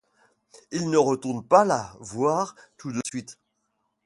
Il ne retourne pas la voir tout de suite.